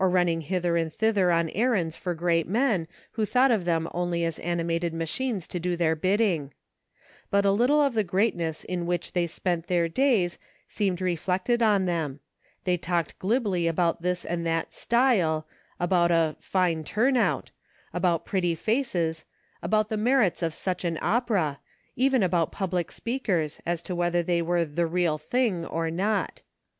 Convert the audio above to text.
running hither and thither on errands for great men, who thought of them only as animated ma chines to do their bidding ; but a little of the greatness in which they spent their days seemed reflected on them ; they talked glibly about this and that " style," about a " fine turnout," about pretty faces, about the merits of such an opera, even about public speakers, as to whether they were " the real thing " or not.